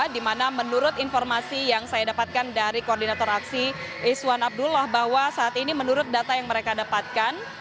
di mana menurut informasi yang saya dapatkan dari koordinator aksi iswan abdullah bahwa saat ini menurut data yang mereka dapatkan